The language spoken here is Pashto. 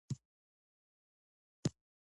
دا لیکنې د ډان ورځپاڼې په مګزین کې خپرې شوې وې.